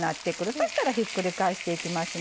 そしたらひっくり返していきますね。